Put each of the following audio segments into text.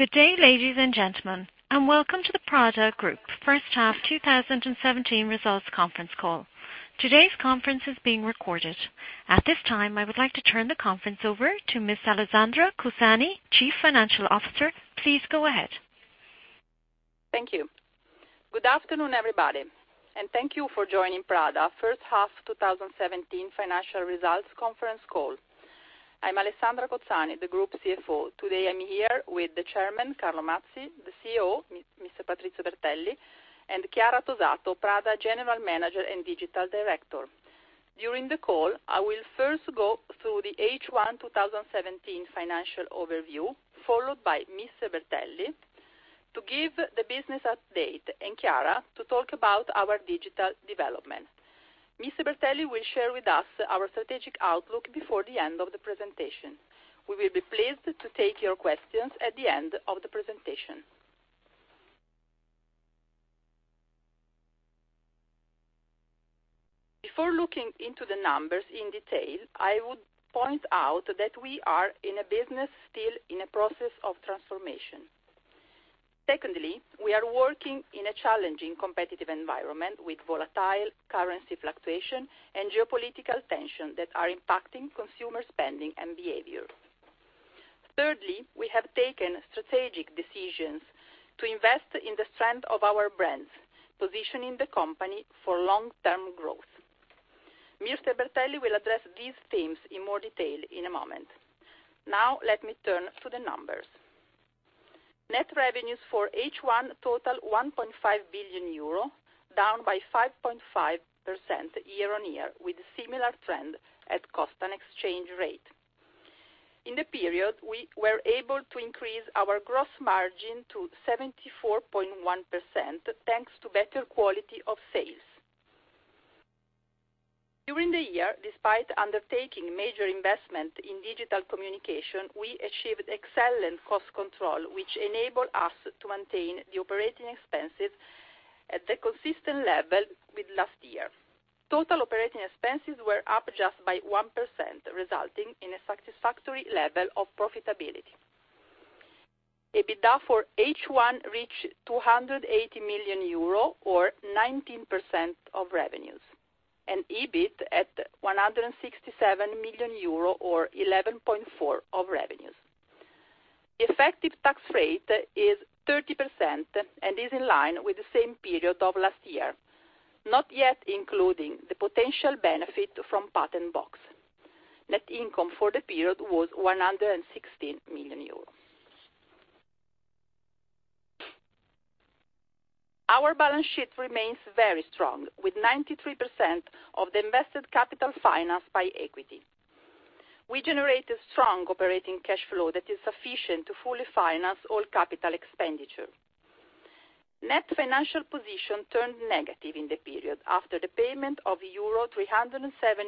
Good day, ladies and gentlemen, and welcome to the Prada Group first half 2017 results conference call. Today's conference is being recorded. At this time, I would like to turn the conference over to Ms. Alessandra Cozzani, Chief Financial Officer. Please go ahead. Thank you. Good afternoon, everybody, and thank you for joining Prada first half 2017 financial results conference call. I'm Alessandra Cozzani, the Group CFO. Today, I'm here with the Chairman, Carlo Mazzi, the CEO, Mr. Patrizio Bertelli, and Chiara Tosato, Prada General Manager and Digital Director. During the call, I will first go through the H1 2017 financial overview, followed by Mr. Bertelli to give the business update and Chiara to talk about our digital development. Mr. Bertelli will share with us our strategic outlook before the end of the presentation. We will be pleased to take your questions at the end of the presentation. Before looking into the numbers in detail, I would point out that we are in a business still in a process of transformation. Secondly, we are working in a challenging competitive environment with volatile currency fluctuation and geopolitical tension that are impacting consumer spending and behavior. Thirdly, we have taken strategic decisions to invest in the strength of our brands, positioning the company for long-term growth. Mr. Bertelli will address these themes in more detail in a moment. Now, let me turn to the numbers. Net revenues for H1 total 1.5 billion euro, down by 5.5% year-on-year with similar trend at cost and exchange rate. In the period, we were able to increase our gross margin to 74.1% thanks to better quality of sales. During the year, despite undertaking major investment in digital communication, we achieved excellent cost control, which enabled us to maintain the operating expenses at a consistent level with last year. Total operating expenses were up just by 1%, resulting in a satisfactory level of profitability. EBITDA for H1 reached 280 million euro or 19% of revenues, and EBIT at 167 million euro or 11.4% of revenues. Effective tax rate is 30% and is in line with the same period of last year, not yet including the potential benefit from Patent Box. Net income for the period was 116 million euros. Our balance sheet remains very strong, with 93% of the invested capital financed by equity. We generated strong operating cash flow that is sufficient to fully finance all capital expenditure. Net financial position turned negative in the period after the payment of euro 307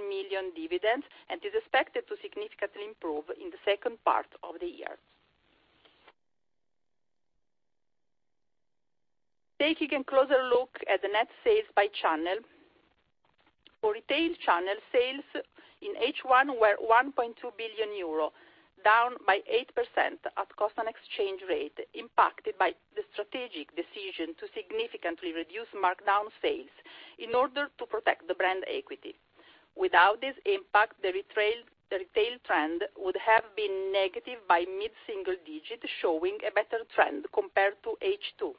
million dividends and is expected to significantly improve in the second part of the year. Taking a closer look at the net sales by channel. For retail channel, sales in H1 were 1.2 billion euro, down by 8% at cost and exchange rate, impacted by the strategic decision to significantly reduce markdown sales in order to protect the brand equity. Without this impact, the retail trend would have been negative by mid-single digit, showing a better trend compared to H2.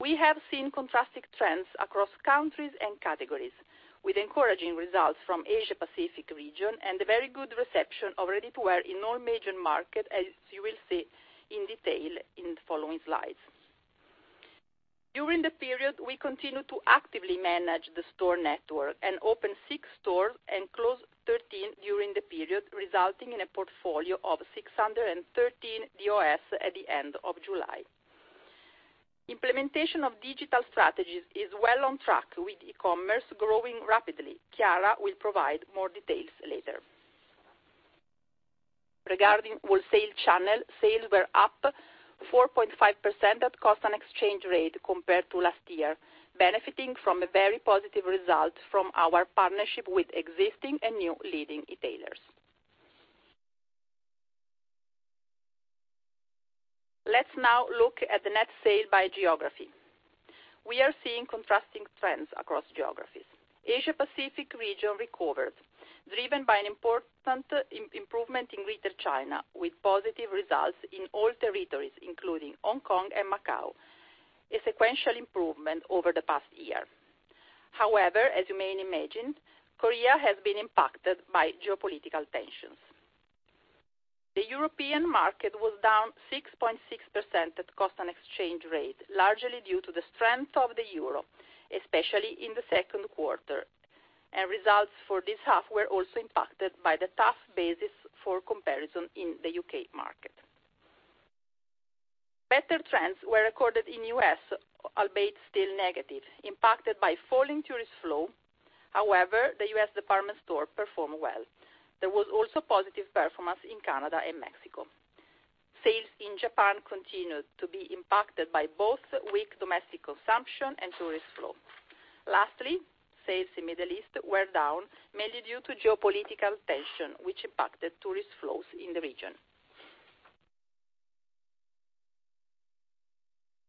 We have seen contrasting trends across countries and categories, with encouraging results from Asia-Pacific region and a very good reception of ready-to-wear in all major market, as you will see in detail in the following slides. During the period, we continued to actively manage the store network and opened six stores and closed 13 during the period, resulting in a portfolio of 613 DOS at the end of July. Implementation of digital strategies is well on track, with e-commerce growing rapidly. Chiara will provide more details later. Regarding wholesale channel, sales were up 4.5% at cost and exchange rate compared to last year, benefiting from a very positive result from our partnership with existing and new leading retailers. Let's now look at the net sale by geography. We are seeing contrasting trends across geographies. Asia-Pacific region recovered, driven by an important improvement in Greater China, with positive results in all territories, including Hong Kong and Macau, a sequential improvement over the past year. However, as you may imagine, Korea has been impacted by geopolitical tensions. The European market was down 6.6% at cost and exchange rate, largely due to the strength of the euro, especially in the second quarter. Results for this half were also impacted by the tough basis for comparison in the U.K. market. Better trends were recorded in U.S., albeit still negative, impacted by falling tourist flow. However, the U.S. department store performed well. There was also positive performance in Canada and Mexico. Sales in Japan continued to be impacted by both weak domestic consumption and tourist flow. Lastly, sales in Middle East were down, mainly due to geopolitical tension, which impacted tourist flows in the region.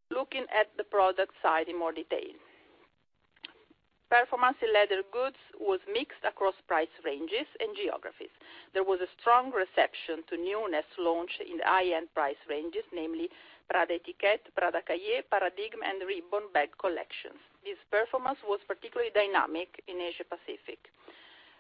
Looking at the product side in more detail. Performance in leather goods was mixed across price ranges and geographies. There was a strong reception to newness launch in the high-end price ranges, namely Prada Etiquette, Prada Cahier, Prada Paradigme, and Ribbon bag collections. This performance was particularly dynamic in Asia-Pacific.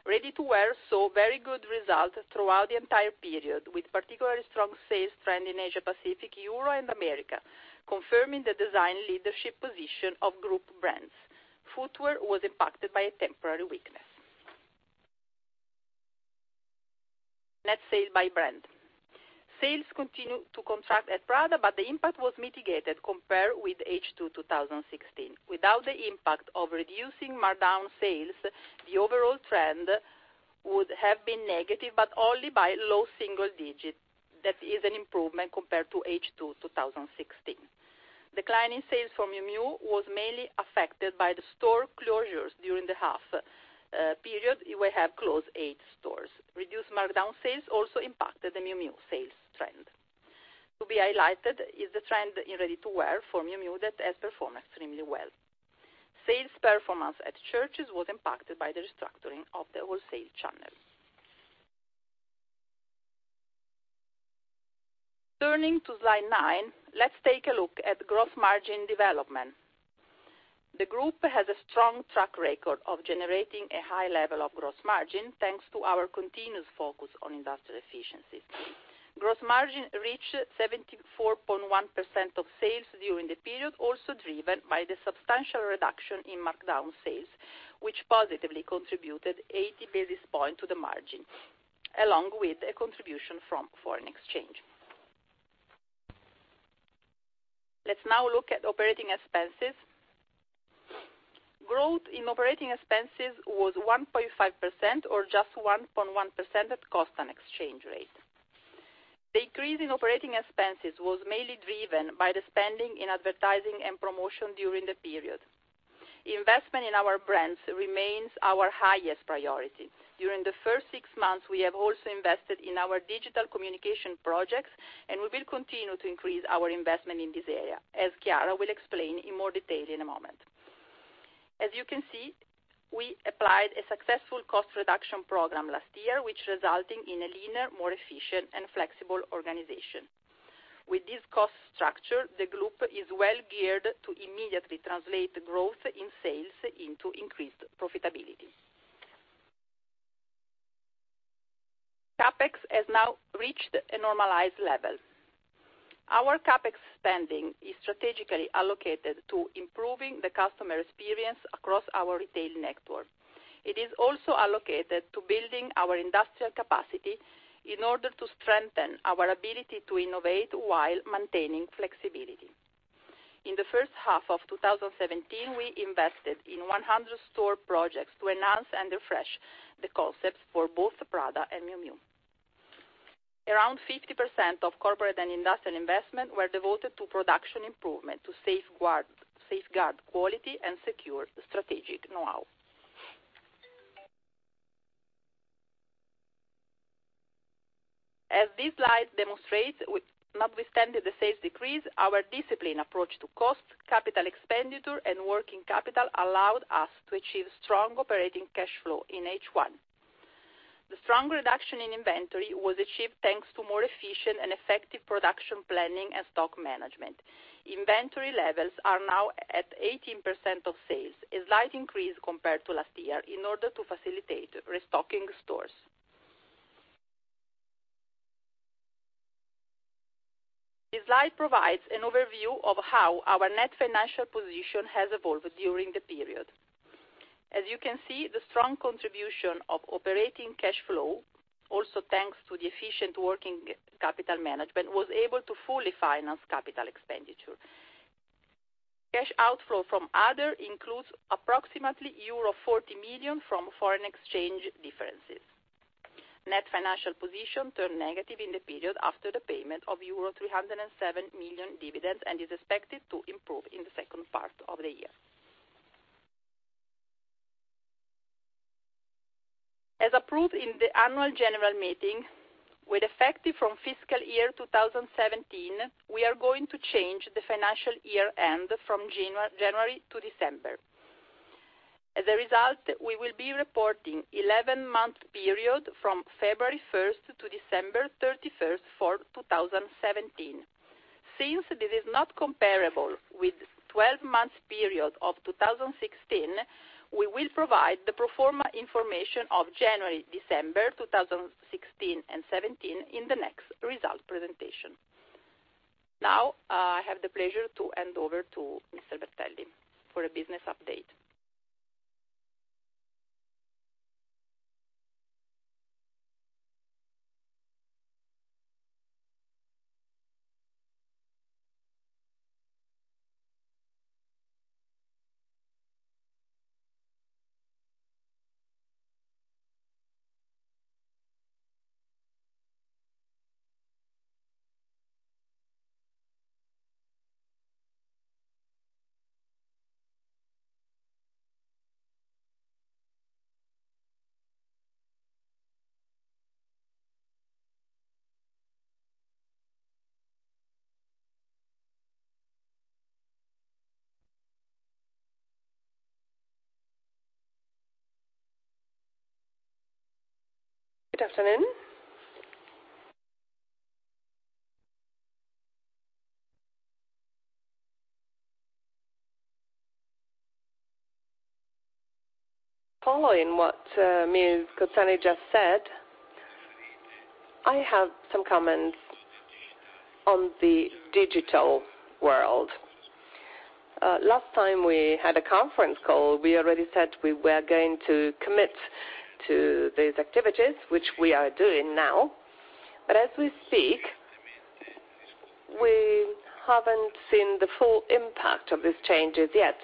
Ready-to-wear saw very good result throughout the entire period, with particularly strong sales trend in Asia-Pacific, Europe, and America, confirming the design leadership position of group brands. Footwear was impacted by a temporary weakness. Net sales by brand. Sales continued to contract at Prada, but the impact was mitigated compared with H2 2016. Without the impact of reducing markdown sales, the overall trend would have been negative, but only by low single digits. That is an improvement compared to H2 2016. Decline in sales from Miu Miu was mainly affected by the store closures during the half period. We have closed eight stores. Reduced markdown sales also impacted the Miu Miu sales trend. To be highlighted is the trend in ready-to-wear for Miu Miu that has performed extremely well. Sales performance at Church's was impacted by the restructuring of the wholesale channel. Turning to slide nine, let's take a look at gross margin development. The group has a strong track record of generating a high level of gross margin, thanks to our continuous focus on industrial efficiency. Gross margin reached 74.1% of sales during the period, also driven by the substantial reduction in markdown sales, which positively contributed 80 basis points to the margin, along with a contribution from foreign exchange. Let's now look at operating expenses. Growth in operating expenses was 1.5%, or just 1.1% at cost and exchange rate. The increase in operating expenses was mainly driven by the spending in advertising and promotion during the period. Investment in our brands remains our highest priority. During the first six months, we have also invested in our digital communication projects, and we will continue to increase our investment in this area, as Chiara will explain in more detail in a moment. As you can see, we applied a successful cost reduction program last year, which resulted in a leaner, more efficient, and flexible organization. With this cost structure, the group is well geared to immediately translate growth in sales into increased profitability. CapEx has now reached a normalized level. Our CapEx spending is strategically allocated to improving the customer experience across our retail network. It is also allocated to building our industrial capacity in order to strengthen our ability to innovate while maintaining flexibility. In the first half of 2017, we invested in 100 store projects to enhance and refresh the concepts for both Prada and Miu Miu. Around 50% of corporate and industrial investment were devoted to production improvement to safeguard quality and secure strategic know-how. As this slide demonstrates, notwithstanding the sales decrease, our disciplined approach to cost, capital expenditure, and working capital allowed us to achieve strong operating cash flow in H1. The strong reduction in inventory was achieved thanks to more efficient and effective production planning and stock management. Inventory levels are now at 18% of sales, a slight increase compared to last year in order to facilitate restocking stores. This slide provides an overview of how our net financial position has evolved during the period. As you can see, the strong contribution of operating cash flow, also thanks to the efficient working capital management, was able to fully finance capital expenditure. Cash outflow from other includes approximately euro 40 million from foreign exchange differences. Net financial position turned negative in the period after the payment of euro 307 million dividends and is expected to improve in the second part of the year. As approved in the annual general meeting, with effective from fiscal year 2017, we are going to change the financial year-end from January to December. As a result, we will be reporting 11-month period from February 1st to December 31st for 2017. Since this is not comparable with 12 months period of 2016, we will provide the pro forma information of January, December 2016 and 2017 in the next result presentation. Now, I have the pleasure to hand over to Mr. Bertelli for a business update. Good afternoon. Following what Miuccia Prada just said, I have some comments on the digital world. Last time we had a conference call, we already said we were going to commit to these activities, which we are doing now. As we speak, we haven't seen the full impact of these changes yet,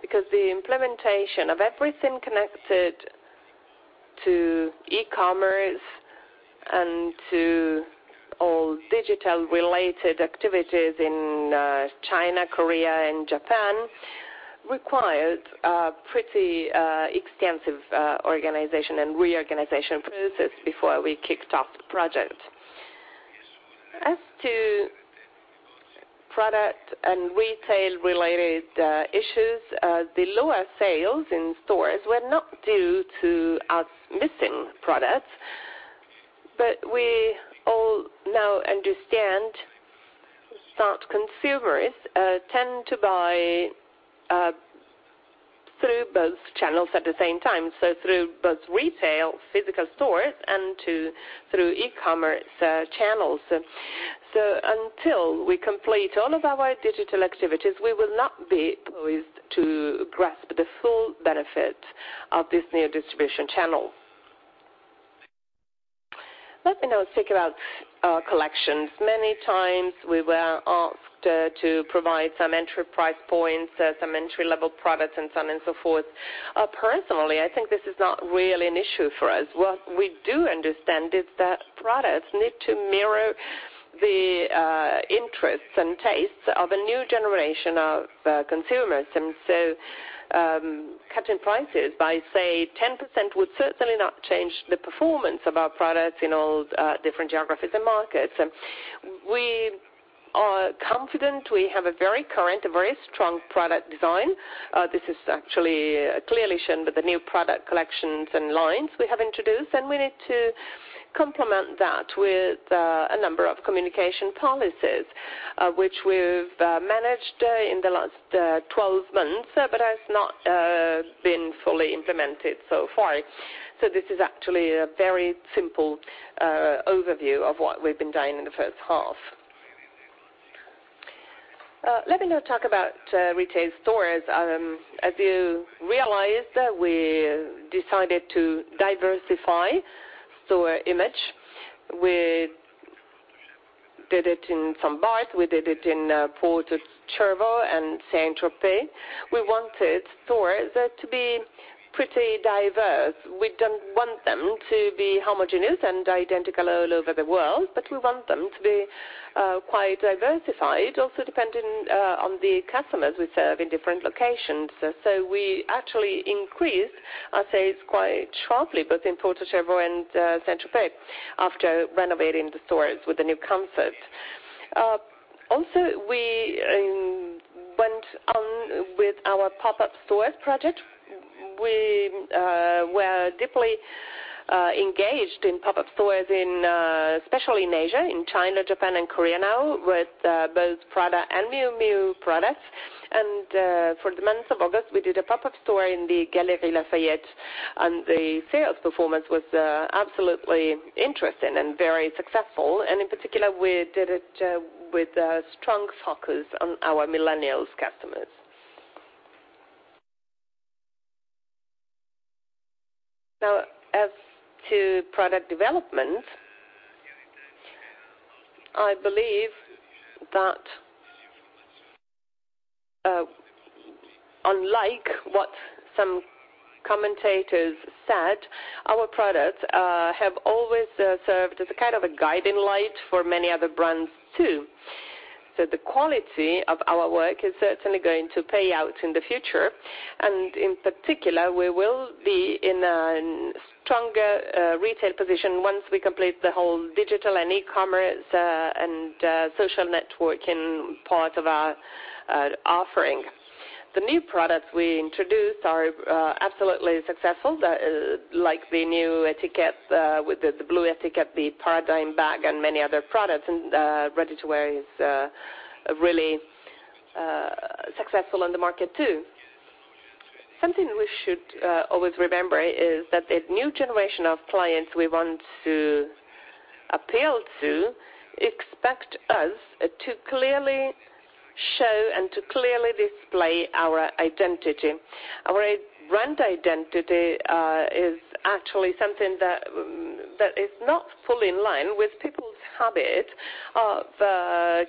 because the implementation of everything connected to e-commerce and to all digital-related activities in China, Korea, and Japan required a pretty extensive organization and reorganization process before we kicked off the project. As to product and retail-related issues, the lower sales in stores were not due to us missing products, we all now understand that consumers tend to buy through both channels at the same time, so through both retail, physical stores, and through e-commerce channels. Until we complete all of our digital activities, we will not be poised to grasp the full benefit of this new distribution channel. Let me now speak about our collections. Many times we were asked to provide some entry price points, some entry-level products, and so on and so forth. Personally, I think this is not really an issue for us. What we do understand is that products need to mirror the interests and tastes of a new generation of consumers. Cutting prices by, say, 10% would certainly not change the performance of our products in all different geographies and markets. We are confident we have a very current, a very strong product design. This is actually clearly shown with the new product collections and lines we have introduced, we need to complement that with a number of communication policies, which we've managed in the last 12 months, has not been fully implemented so far. This is actually a very simple overview of what we've been doing in the first half. Let me now talk about retail stores. As you realized, we decided to diversify store image. We did it in Saint Barth, we did it in Porto Cervo and Saint-Tropez. We wanted stores to be pretty diverse. We don't want them to be homogeneous and identical all over the world, we want them to be quite diversified, also depending on the customers we serve in different locations. We actually increased, I'd say, quite sharply, both in Porto Cervo and Saint-Tropez after renovating the stores with the new concepts. We went on with our pop-up stores project. We were deeply engaged in pop-up stores, especially in Asia, in China, Japan, and Korea now, with both Prada and Miu Miu products. For the month of August, we did a pop-up store in the Galeries Lafayette, the sales performance was absolutely interesting and very successful. In particular, we did it with a strong focus on our millennials customers. As to product development, I believe that unlike what some commentators said, our products have always served as a kind of a guiding light for many other brands, too. The quality of our work is certainly going to pay out in the future. In particular, we will be in a stronger retail position once we complete the whole digital and e-commerce, and social networking part of our offering. The new products we introduced are absolutely successful, like the new Etiquette with the blue Etiquette, the Paradigme bag, and many other products, and ready-to-wear is really successful in the market, too. Something we should always remember is that this new generation of clients we want to appeal to expect us to clearly show and to clearly display our identity. Our brand identity is actually something that is not fully in line with people's habit of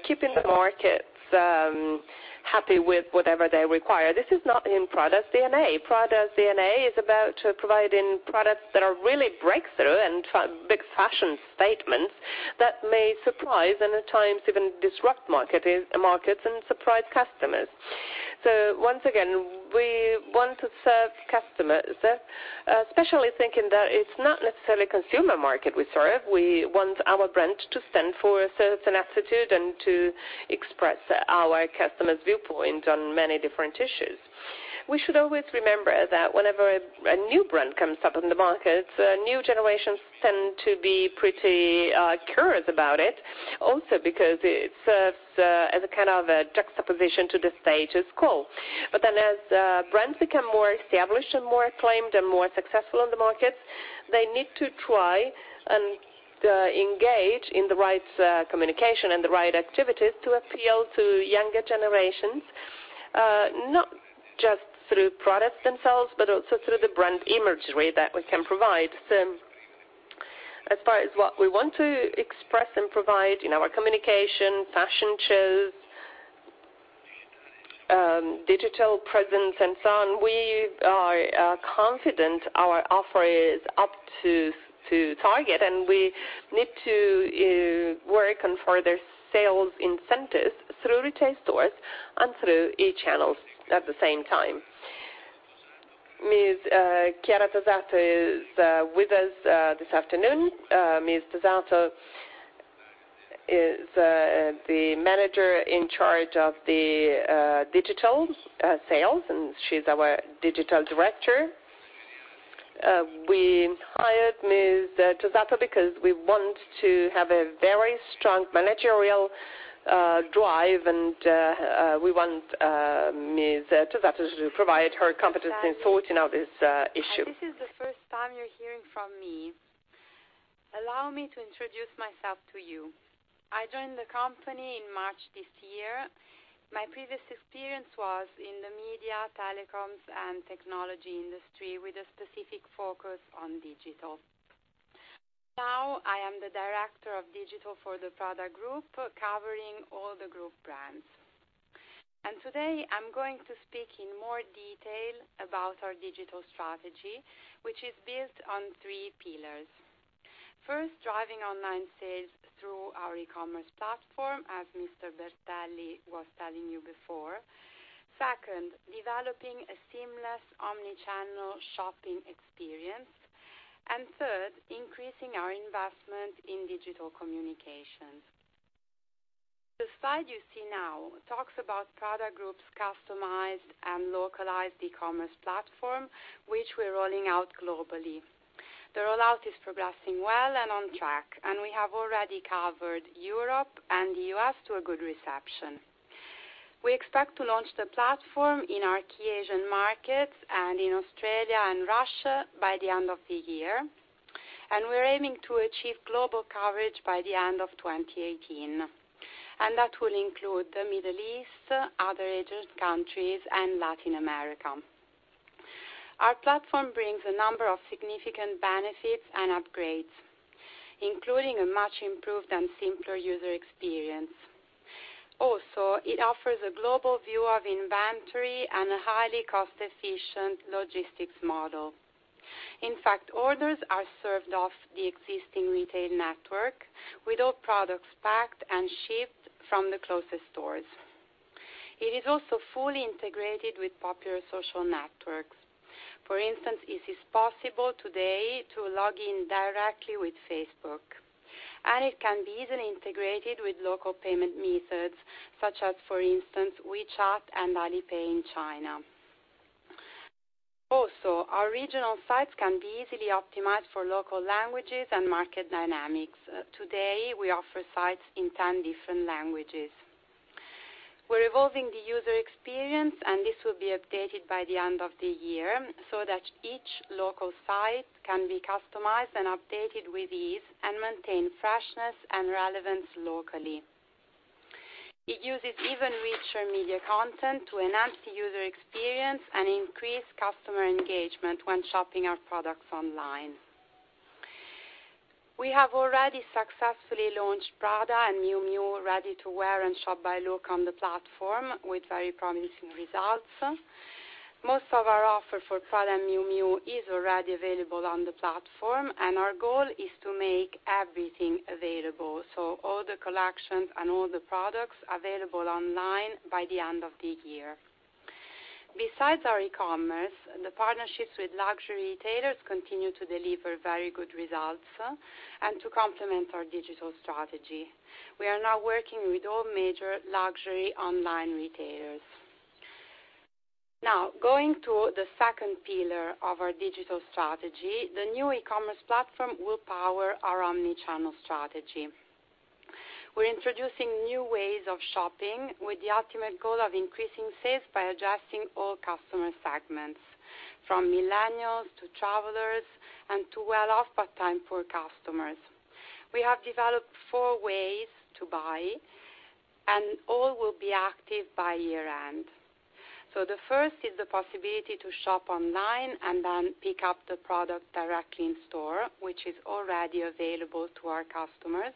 keeping the markets happy with whatever they require. This is not in Prada's DNA. Prada's DNA is about providing products that are really breakthrough and big fashion statements that may surprise, and at times, even disrupt markets and surprise customers. Once again, we want to serve customers, especially thinking that it's not necessarily consumer market we serve. We want our brand to stand for a certain attitude and to express our customers' viewpoint on many different issues. We should always remember that whenever a new brand comes up in the market, new generations tend to be pretty curious about it, also because it serves as a kind of juxtaposition to the status quo. As brands become more established and more acclaimed and more successful in the market, they need to try and engage in the right communication and the right activities to appeal to younger generations, not just through products themselves, but also through the brand imagery that we can provide. As far as what we want to express and provide in our communication, fashion shows, digital presence, and so on, we are confident our offer is up to target, and we need to work on further sales incentives through retail stores and through e-channels at the same time. Ms. Chiara Tosato is with us this afternoon. Ms. Tosato is the manager in charge of the digital sales, and she's our digital director. We hired Ms. Tosato because we want to have a very strong managerial drive, and we want Ms. Tosato to provide her competence in sorting out this issue. As this is the first time you're hearing from me, allow me to introduce myself to you. I joined the company in March this year. My previous experience was in the media, telecoms, and technology industry, with a specific focus on digital. Now, I am the director of digital for the Prada Group, covering all the group brands. Today, I'm going to speak in more detail about our digital strategy, which is built on three pillars. First, driving online sales through our e-commerce platform, as Mr. Bertelli was telling you before. Second, developing a seamless omnichannel shopping experience. Third, increasing our investment in digital communications. The slide you see now talks about Prada Group's customized and localized e-commerce platform, which we're rolling out globally. The rollout is progressing well and on track, and we have already covered Europe and the U.S. to a good reception. We expect to launch the platform in our key Asian markets and in Australia and Russia by the end of the year. We're aiming to achieve global coverage by the end of 2018. That will include the Middle East, other Asian countries, and Latin America. Our platform brings a number of significant benefits and upgrades, including a much improved and simpler user experience. It offers a global view of inventory and a highly cost-efficient logistics model. In fact, orders are served off the existing retail network, with all products packed and shipped from the closest stores. It is also fully integrated with popular social networks. For instance, it is possible today to log in directly with Facebook, and it can be easily integrated with local payment methods such as, for instance, WeChat and Alipay in China. Our regional sites can be easily optimized for local languages and market dynamics. Today, we offer sites in 10 different languages. We're evolving the user experience, and this will be updated by the end of the year so that each local site can be customized and updated with ease and maintain freshness and relevance locally. It uses even richer media content to enhance the user experience and increase customer engagement when shopping our products online. We have already successfully launched Prada and Miu Miu ready-to-wear and shop by look on the platform with very promising results. Most of our offer for Prada and Miu Miu is already available on the platform. Our goal is to make everything available, all the collections and all the products available online by the end of the year. Besides our e-commerce, the partnerships with luxury retailers continue to deliver very good results and to complement our digital strategy. We are now working with all major luxury online retailers. Going to the second pillar of our digital strategy, the new e-commerce platform will power our omnichannel strategy. We're introducing new ways of shopping with the ultimate goal of increasing sales by addressing all customer segments, from millennials to travelers and to well-off but time-poor customers. We have developed four ways to buy. All will be active by year-end. The first is the possibility to shop online and then pick up the product directly in store, which is already available to our customers,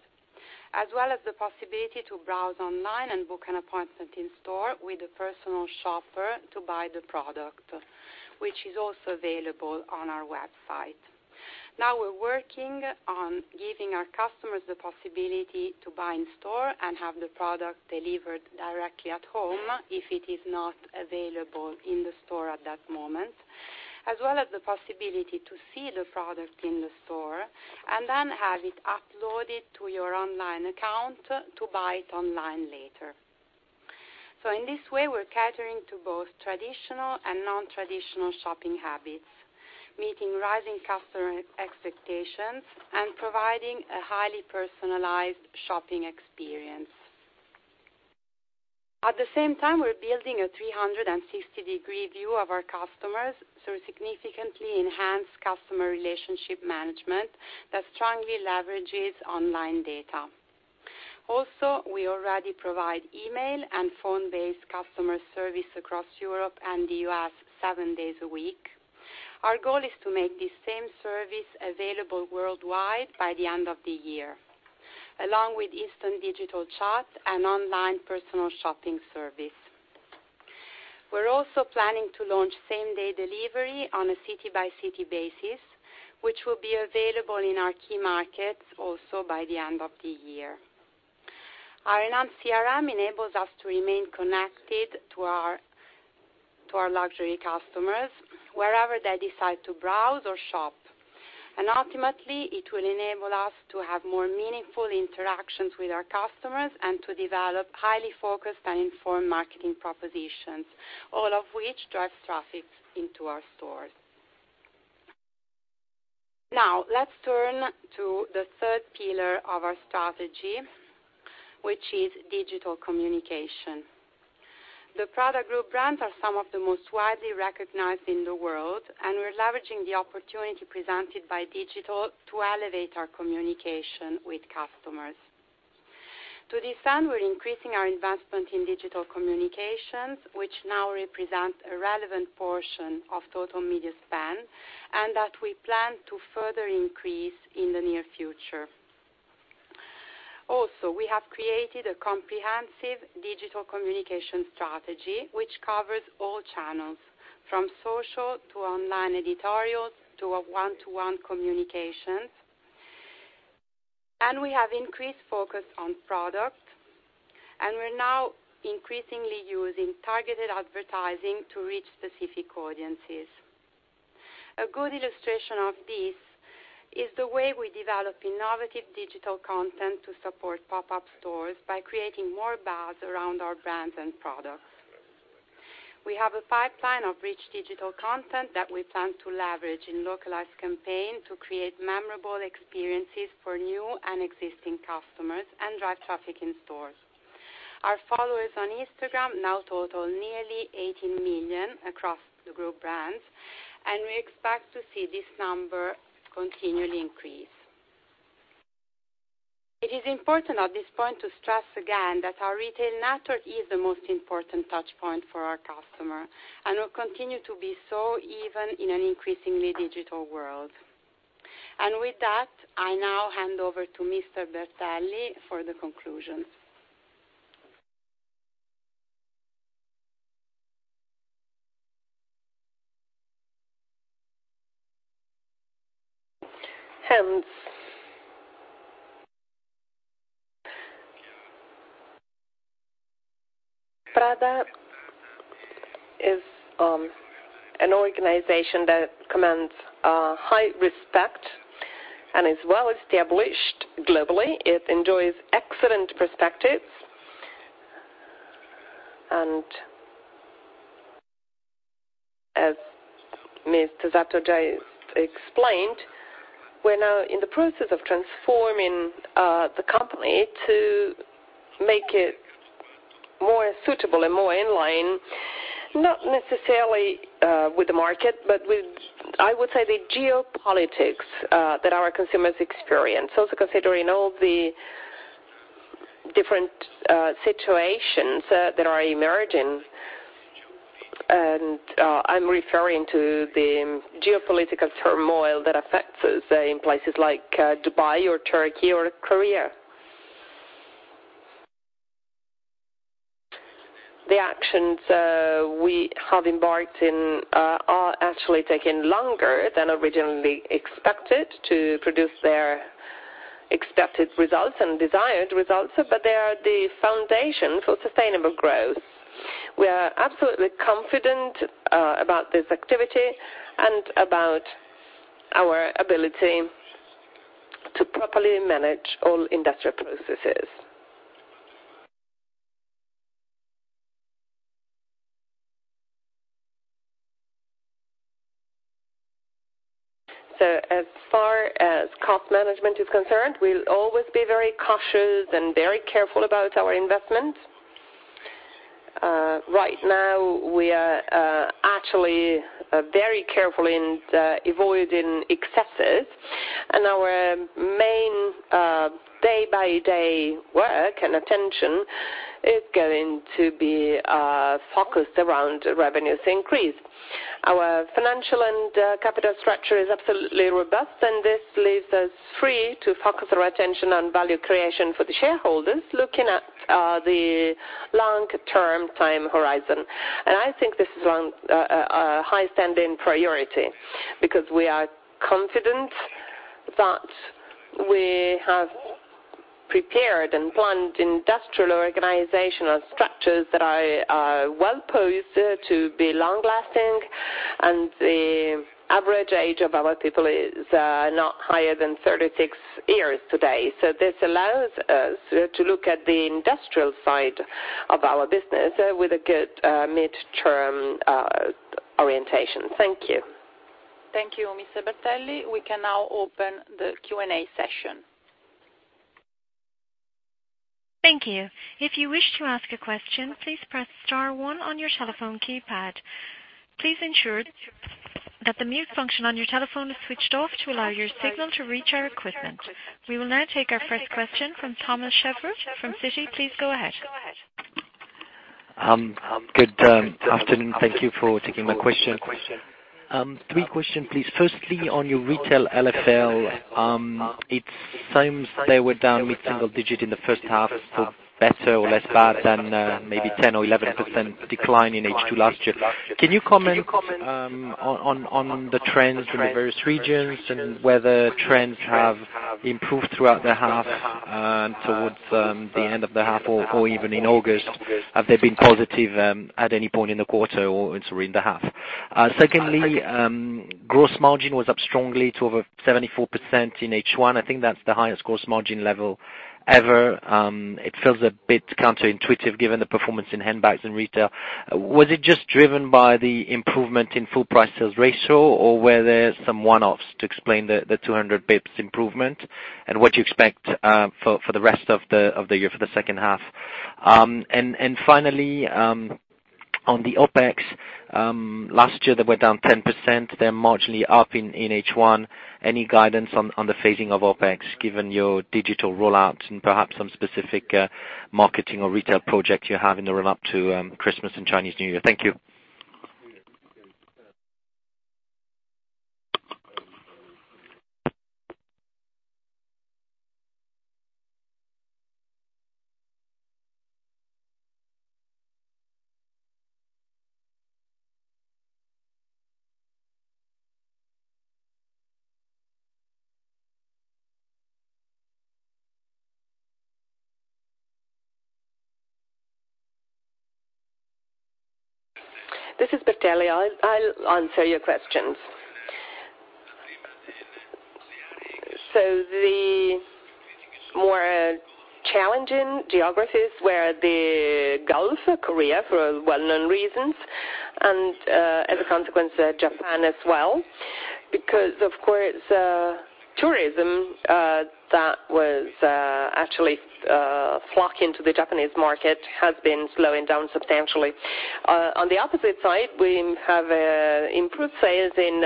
as well as the possibility to browse online and book an appointment in store with a personal shopper to buy the product, which is also available on our website. We're working on giving our customers the possibility to buy in store and have the product delivered directly at home if it is not available in the store at that moment, as well as the possibility to see the product in the store and then have it uploaded to your online account to buy it online later. In this way, we're catering to both traditional and non-traditional shopping habits, meeting rising customer expectations, and providing a highly personalized shopping experience. At the same time, we're building a 360-degree view of our customers to significantly enhance customer relationship management that strongly leverages online data. We already provide email and phone-based customer service across Europe and the U.S. seven days a week. Our goal is to make the same service available worldwide by the end of the year, along with instant digital chat and online personal shopping service. We're also planning to launch same-day delivery on a city-by-city basis, which will be available in our key markets also by the end of the year. Our enhanced CRM enables us to remain connected to our luxury customers wherever they decide to browse or shop. Ultimately, it will enable us to have more meaningful interactions with our customers and to develop highly focused and informed marketing propositions, all of which drive traffic into our stores. Let's turn to the third pillar of our strategy, which is digital communication. The Prada Group brands are some of the most widely recognized in the world. We're leveraging the opportunity presented by digital to elevate our communication with customers. To this end, we're increasing our investment in digital communications, which now represent a relevant portion of total media spend that we plan to further increase in the near future. We have created a comprehensive digital communication strategy, which covers all channels, from social to online editorials to one-to-one communications. We have increased focus on product. We're now increasingly using targeted advertising to reach specific audiences. A good illustration of this is the way we develop innovative digital content to support pop-up stores by creating more buzz around our brands and products. We have a pipeline of rich digital content that we plan to leverage in localized campaigns to create memorable experiences for new and existing customers and drive traffic in stores. Our followers on Instagram now total nearly 18 million across the group brands. We expect to see this number continually increase. It is important at this point to stress again that our retail network is the most important touchpoint for our customer and will continue to be so even in an increasingly digital world. With that, I now hand over to Mr. Bertelli for the conclusion. Prada is an organization that commands high respect and is well established globally. It enjoys excellent perspectives. As Ms. Tosato just explained, we're now in the process of transforming the company to make it more suitable and more in line, not necessarily with the market, but with, I would say, the geopolitics that our consumers experience. Considering all the different situations that are emerging, I'm referring to the geopolitical turmoil that affects us in places like Dubai or Turkey or Korea. The actions we have embarked on are actually taking longer than originally expected to produce their expected results and desired results. They are the foundation for sustainable growth. We are absolutely confident about this activity and about our ability to properly manage all industrial processes. As far as cost management is concerned, we'll always be very cautious and very careful about our investments. Right now, we are actually very careful in avoiding excesses, our main day-by-day work and attention is going to be focused around revenues increase. Our financial and capital structure is absolutely robust, this leaves us free to focus our attention on value creation for the shareholders, looking at the long-term time horizon. I think this is a high-standing priority, because we are confident that we have prepared and planned industrial organizational structures that are well-posed to be long-lasting, and the average age of our people is not higher than 36 years today. This allows us to look at the industrial side of our business with a good mid-term orientation. Thank you. Thank you, Mr. Bertelli. We can now open the Q&A session. Thank you. If you wish to ask a question, please press star one on your telephone keypad. Please ensure that the mute function on your telephone is switched off to allow your signal to reach our equipment. We will now take our first question from Thomas Chauvet from Citi. Please go ahead. Good afternoon. Thank you for taking my question. Three question, please. Firstly, on your retail LFL, it seems they were down mid-single digit in the first half for better or less bad than maybe 10% or 11% decline in H2 last year. Can you comment on the trends in the various regions and whether trends have improved throughout the half towards the end of the half or even in August? Have they been positive at any point in the quarter or sorry, in the half? Secondly, gross margin was up strongly to over 74% in H1. I think that's the highest gross margin level ever. It feels a bit counterintuitive given the performance in handbags and retail. Was it just driven by the improvement in full price sales ratio, or were there some one-offs to explain the 200 basis points improvement? What do you expect for the rest of the year, for the second half? Finally, on the OpEx. Last year, they were down 10%. They're marginally up in H1. Any guidance on the phasing of OpEx given your digital roll-outs and perhaps some specific marketing or retail projects you have in the run-up to Christmas and Chinese New Year? Thank you. This is Bertelli. I'll answer your questions. The more challenging geographies were the Gulf, Korea, for well-known reasons, and as a consequence, Japan as well, because, of course, tourism that was actually flocking to the Japanese market has been slowing down substantially. On the opposite side, we have improved sales in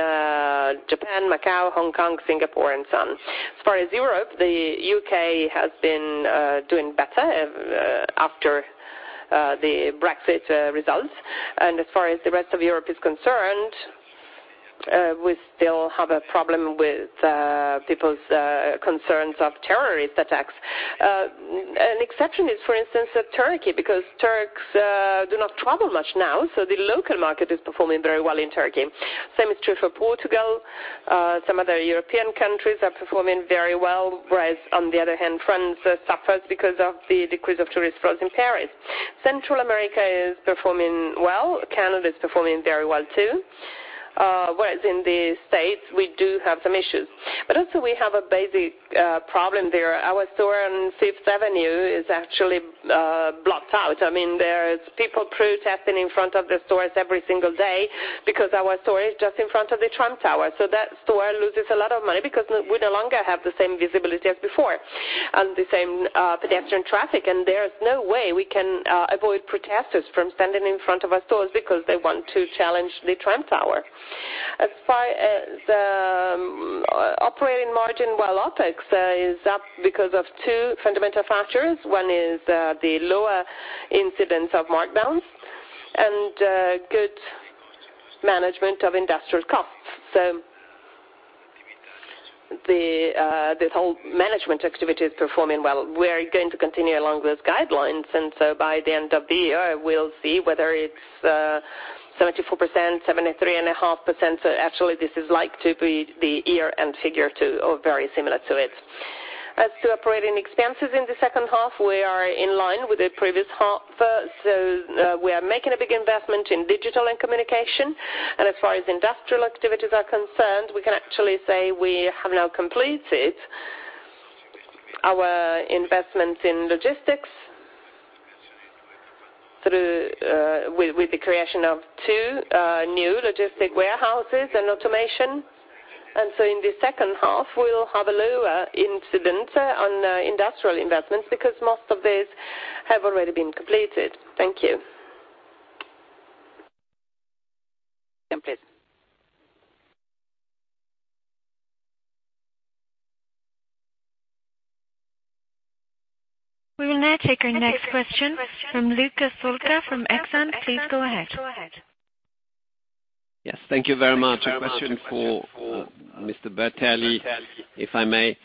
Japan, Macau, Hong Kong, Singapore, and so on. As far as Europe, the U.K. has been doing better after the Brexit results. As far as the rest of Europe is concerned, we still have a problem with people's concerns of terrorist attacks. An exception is, for instance, Turkey, because Turks do not travel much now, so the local market is performing very well in Turkey. Same is true for Portugal. Some other European countries are performing very well, whereas on the other hand, France suffers because of the decrease of tourist flows in Paris. Central America is performing well. Canada is performing very well, too. Whereas in the U.S., we do have some issues. Also we have a basic problem there. Our store on Fifth Avenue is actually blocked out. There's people protesting in front of the stores every single day because our store is just in front of the Trump Tower. That store loses a lot of money because we no longer have the same visibility as before and the same pedestrian traffic. There's no way we can avoid protesters from standing in front of our stores because they want to challenge the Trump Tower. As far as operating margin, while OpEx is up because of two fundamental factors. One is the lower incidence of markdowns and good management of industrial costs. This whole management activity is performing well. We're going to continue along those guidelines, by the end of the year, we'll see whether it's 74%, 73.5%. Actually, this is like to be the year and figure or very similar to it. As to operating expenses in the second half, we are in line with the previous half. We are making a big investment in digital and communication. As far as industrial activities are concerned, we can actually say we have now completed our investments in logistics with the creation of two new logistic warehouses and automation in the second half, we'll have a lower incident on industrial investments because most of these have already been completed. Thank you. Next question, please. We will now take our next question from Luca Solca from Exane. Please go ahead. Yes. Thank you very much. A question for Mr. Bertelli, if I may.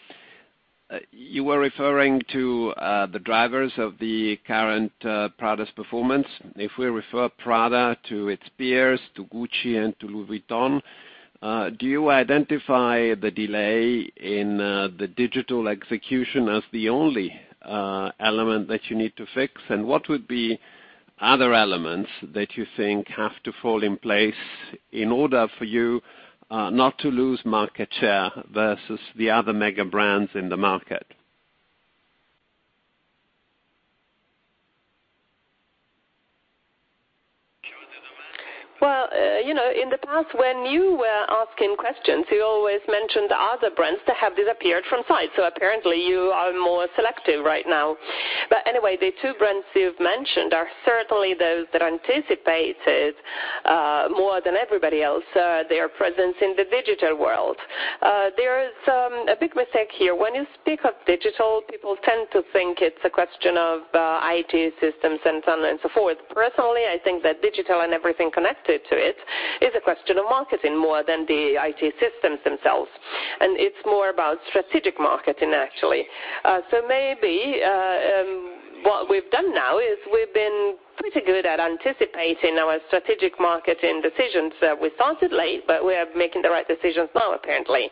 You were referring to the drivers of the current Prada's performance. If we refer Prada to its peers, to Gucci and to Louis Vuitton, do you identify the delay in the digital execution as the only element that you need to fix? What would be other elements that you think have to fall in place in order for you not to lose market share versus the other mega brands in the market? Well, in the past when you were asking questions, you always mentioned other brands that have disappeared from sight. Apparently you are more selective right now. Anyway, the two brands you've mentioned are certainly those that anticipated, more than everybody else, their presence in the digital world. There is a big mistake here. When you speak of digital, people tend to think it's a question of IT systems and so on and so forth. Personally, I think that digital and everything connected to it is a question of marketing more than the IT systems themselves. It's more about strategic marketing, actually. Maybe, what we've done now is we've been pretty good at anticipating our strategic marketing decisions. We started late, but we are making the right decisions now, apparently.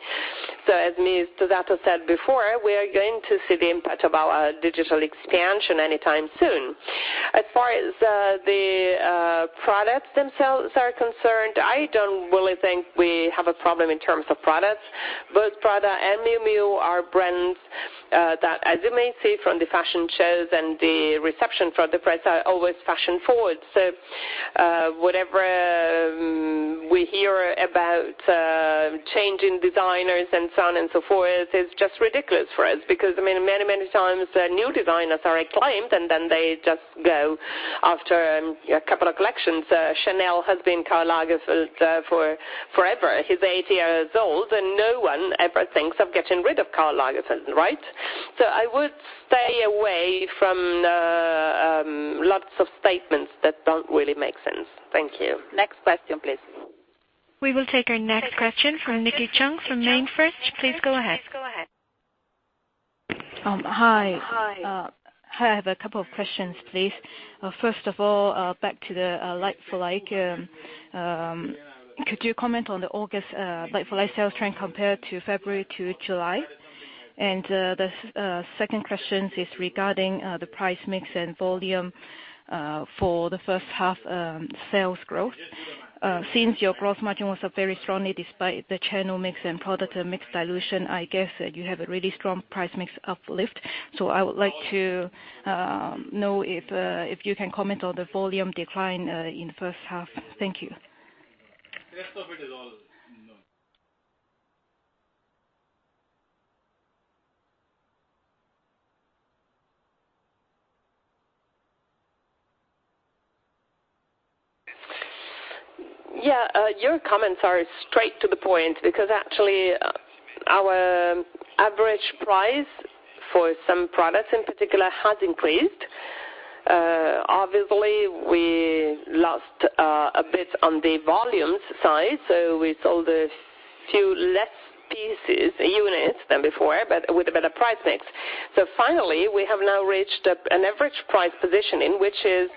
As Ms. Tosato said before, we are going to see the impact of our digital expansion anytime soon. As far as the products themselves are concerned, I don't really think we have a problem in terms of products. Both Prada and Miu Miu are brands that, as you may see from the fashion shows and the reception for the brands, are always fashion-forward. Whatever we hear about changing designers and so on and so forth is just ridiculous for us because, many times, new designers are acclaimed and then they just go after a couple of collections. Chanel has been Karl Lagerfeld for forever. He is 80 years old, and no one ever thinks of getting rid of Karl Lagerfeld, right? I would stay away from lots of statements that don't really make sense. Thank you. Next question, please. We will take our next question from Nikki Chung from Jefferies. Please go ahead. Hi. I have a couple of questions, please. First of all, back to the Like for Like. Could you comment on the August Like for Like sales trend compared to February to July? The second question is regarding the price mix and volume for the first half sales growth. Since your gross margin was up very strongly despite the channel mix and product mix dilution, I guess that you have a really strong price mix uplift. I would like to know if you can comment on the volume decline in the first half. Thank you. Yeah. Your comments are straight to the point because actually our average price for some products in particular has increased. Obviously, we lost a bit on the volumes side. We sold a few less pieces, units than before, but with a better price mix. Finally, we have now reached an average price position in which is,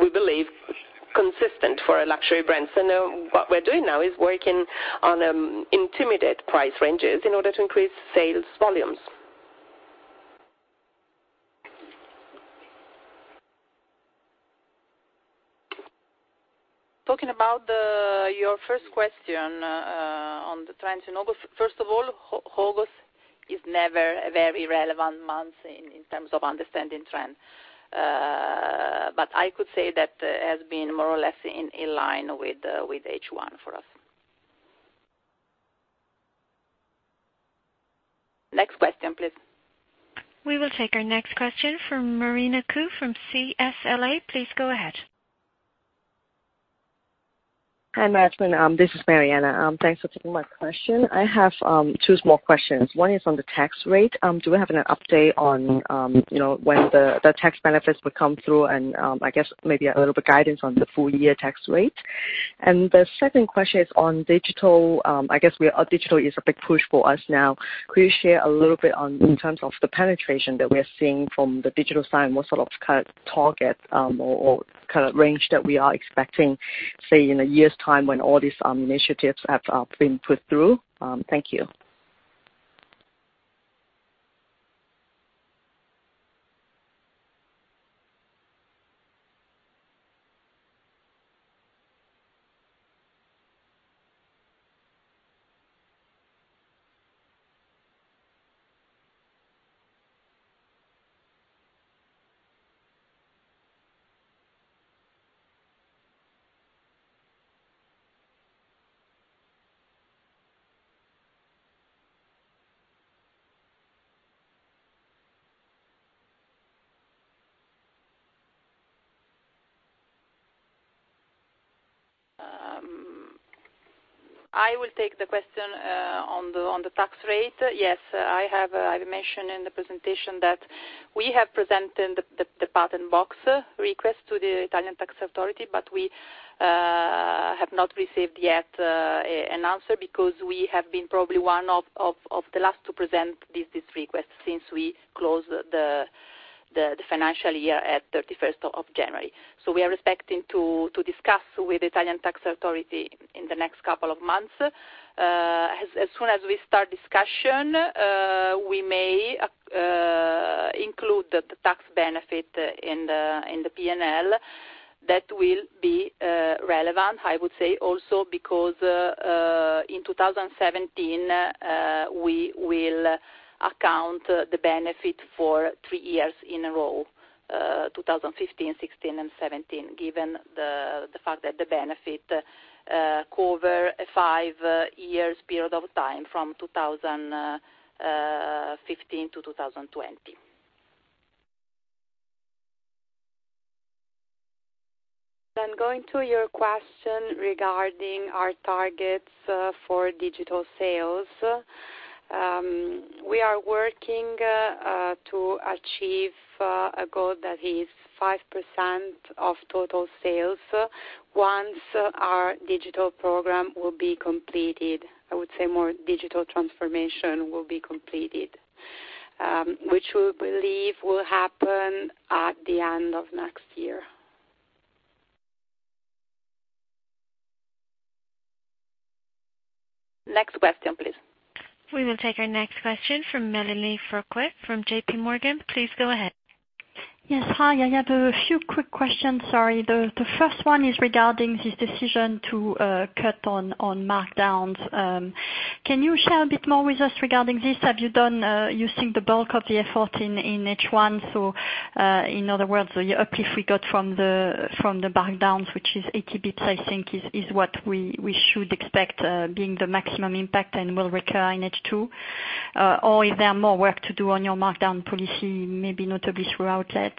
we believe, consistent for a luxury brand. Now what we're doing now is working on intermediate price ranges in order to increase sales volumes. Talking about your first question, on the trends in August. First of all, August is never a very relevant month in terms of understanding trends. I could say that it has been more or less in line with H1 for us. Next question, please. We will take our next question from Mariana Kou from CLSA. Please go ahead. Hi, management. This is Mariana. Thanks for taking my question. I have two small questions. One is on the tax rate. Do we have an update on when the tax benefits will come through? I guess maybe a little bit guidance on the full year tax rate. The second question is on digital. I guess digital is a big push for us now. Could you share a little bit on, in terms of the penetration that we are seeing from the digital side, what sort of target or range that we are expecting, say, in a year's time when all these initiatives have been put through? Thank you. I will take the question on the tax rate. Yes, I have mentioned in the presentation that we have presented the Patent Box request to the Italian tax authority, we have not received yet an answer because we have been probably one of the last to present this request since we closed the financial year at 31st of January. We are expecting to discuss with the Italian tax authority in the next couple of months. As soon as we start discussion, we may include the tax benefit in the P&L. That will be relevant, I would say also because, in 2017, we will account the benefit for three years in a row, 2015, 2016, and 2017, given the fact that the benefit cover a five years period of time from 2015 to 2020. Going to your question regarding our targets for digital sales. We are working to achieve a goal that is 5% of total sales once our digital program will be completed. I would say more digital transformation will be completed, which we believe will happen at the end of next year. Next question, please. We will take our next question from Mélanie Flouquet from J.P. Morgan. Please go ahead. Yes, hi. I have a few quick questions. Sorry. The first one is regarding this decision to cut on markdowns. Can you share a bit more with us regarding this? Have you done using the bulk of the effort in H1? In other words, your uplift we got from the markdowns, which is 80 basis points, I think, is what we should expect being the maximum impact and will recur in H2. Or is there more work to do on your markdown policy, maybe notably through outlets?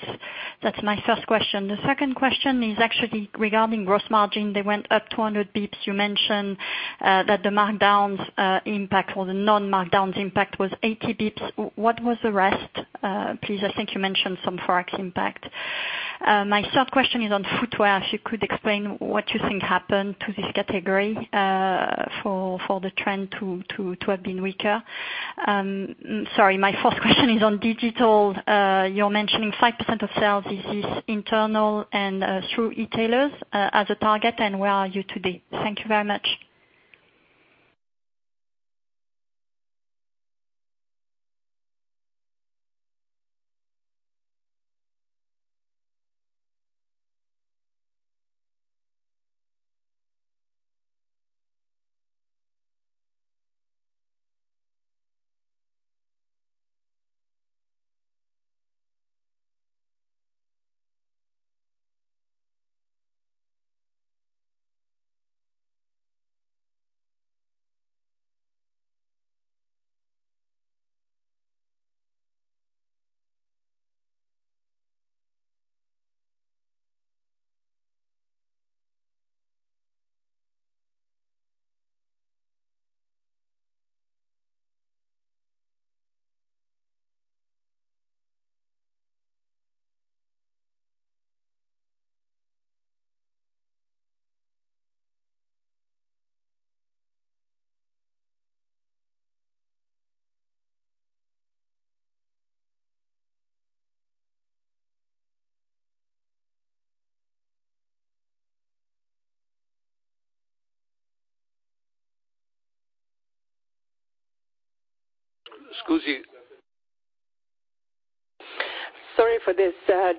That's my first question. The second question is actually regarding gross margin. They went up 200 basis points. You mentioned that the markdowns impact or the non-markdowns impact was 80 basis points. What was the rest? Please, I think you mentioned some Forex impact. My third question is on footwear. If you could explain what you think happened to this category, for the trend to have been weaker. Sorry, my fourth question is on digital. You're mentioning 5% of sales. Is this internal and through e-tailers as a target, and where are you today? Thank you very much. Sorry for this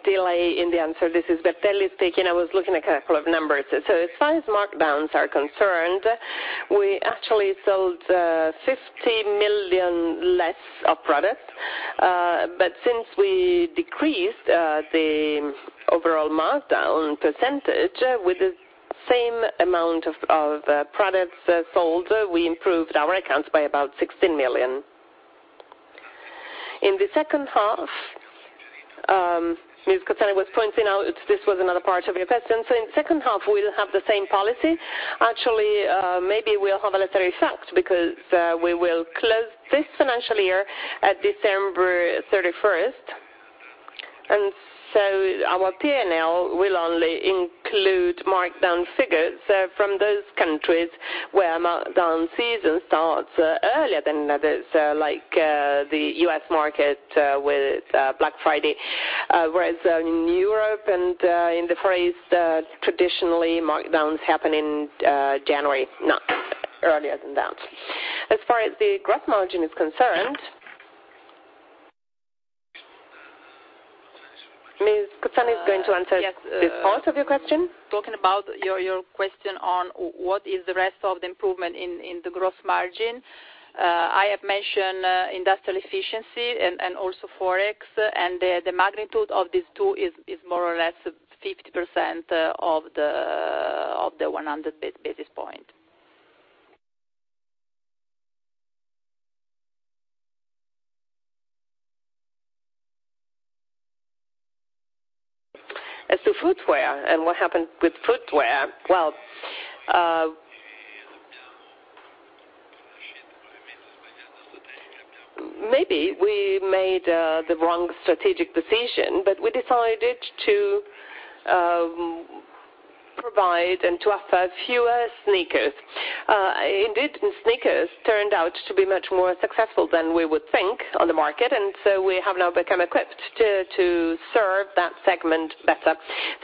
delay in the answer. This is Patrizio Bertelli speaking. I was looking at a couple of numbers. As far as markdowns are concerned, we actually sold 50 million less of product. Since we decreased the overall markdown percentage with the same amount of products sold, we improved our accounts by about 16 million. In the second half, Ms. Cozzani was pointing out this was another part of your question. In second half, we'll have the same policy. Actually, maybe we'll have an effect because we will close this financial year at December 31st. Our P&L will only include markdown figures from those countries where markdown season starts earlier than others, like the U.S. market with Black Friday. Whereas in Europe and in the Far East, traditionally, markdowns happen in January, not earlier than that. As far as the gross margin is concerned, Ms. Cozzani is going to answer this part of your question. Talking about your question on what is the rest of the improvement in the gross margin. I have mentioned industrial efficiency and also Forex, the magnitude of these two is more or less 50% of the 100 basis point. As to footwear and what happened with footwear. Maybe we made the wrong strategic decision, we decided to provide and to offer fewer sneakers. Indeed, sneakers turned out to be much more successful than we would think on the market, we have now become equipped to serve that segment better.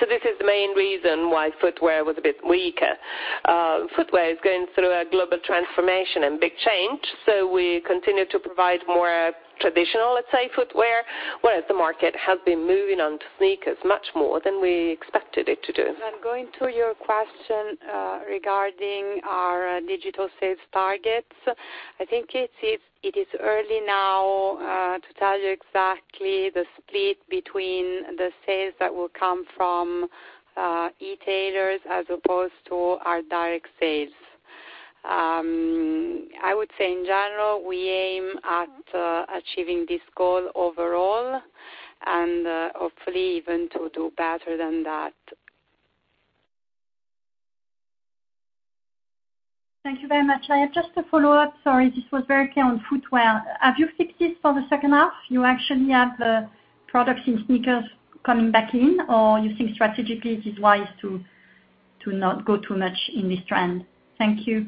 This is the main reason why footwear was a bit weaker. Footwear is going through a global transformation and big change, we continue to provide more traditional, let's say, footwear, whereas the market has been moving on to sneakers much more than we expected it to do. Going to your question regarding our digital sales targets, I think it is early now to tell you exactly the split between the sales that will come from e-tailers as opposed to our direct sales. I would say, in general, we aim at achieving this goal overall and hopefully even to do better than that. Thank you very much. I have just a follow-up. Sorry, this was very clear on footwear. Have you fixed this for the second half? You actually have products in sneakers coming back in, or you think strategically it is wise to not go too much in this trend? Thank you.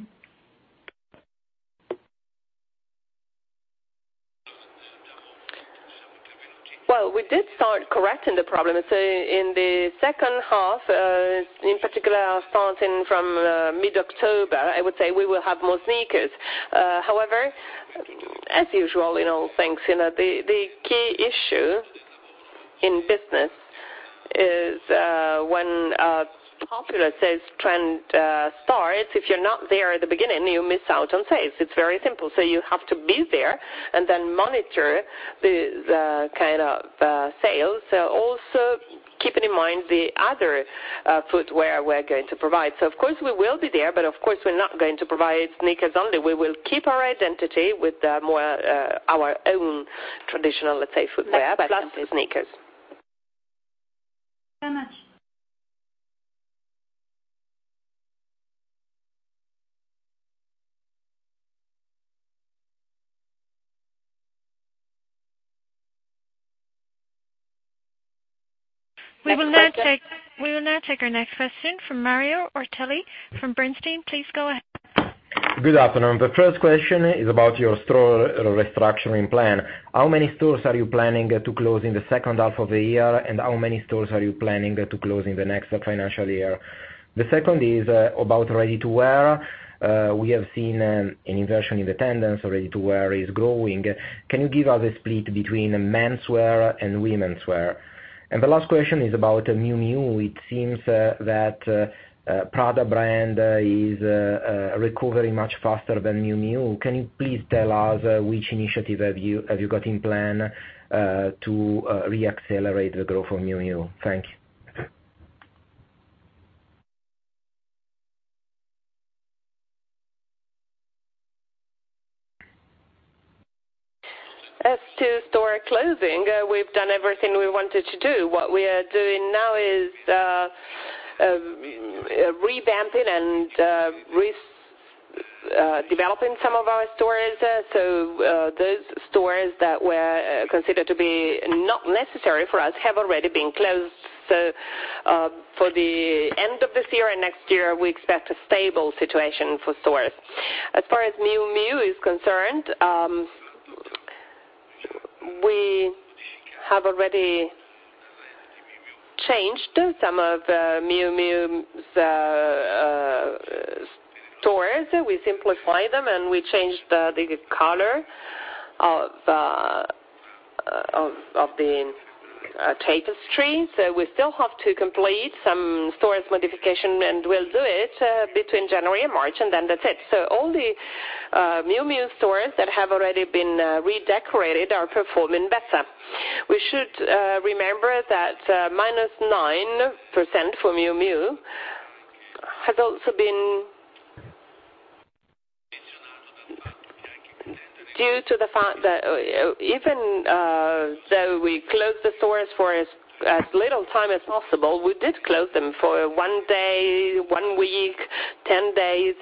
Well, we did start correcting the problem. In the second half, in particular, starting from mid-October, I would say we will have more sneakers. However, as usual, in all things, the key issue in business is when a popular sales trend starts, if you're not there at the beginning, you miss out on sales. It's very simple. You have to be there and then monitor the kind of sales, also keeping in mind the other footwear we're going to provide. Of course we will be there, but of course we're not going to provide sneakers only. We will keep our identity with more our own traditional, let's say, footwear plus sneakers. Thank you very much. We will now take our next question from Mario Ortelli from Bernstein. Please go ahead. Good afternoon. The first question is about your store restructuring plan. How many stores are you planning to close in the second half of the year, and how many stores are you planning to close in the next financial year? The second is about ready-to-wear. We have seen an inversion in the trend, ready-to-wear is growing. Can you give us a split between menswear and womenswear? The last question is about Miu Miu. It seems that Prada brand is recovering much faster than Miu Miu. Can you please tell us which initiative have you got in plan to re-accelerate the growth of Miu Miu? Thank you. As to store closing, we've done everything we wanted to do. What we are doing now is revamping and redeveloping some of our stores. Those stores that were considered to be not necessary for us have already been closed. For the end of this year and next year, we expect a stable situation for stores. As far as Miu Miu is concerned, we have already changed some of Miu Miu's stores. We simplified them, and we changed the color of the tapestry. We still have to complete some stores modification, and we'll do it between January and March, and then that's it. Only Miu Miu stores that have already been redecorated are performing better. We should remember that minus 9% for Miu Miu has also been due to the fact that even though we closed the stores for as little time as possible, we did close them for one day, one week, 10 days,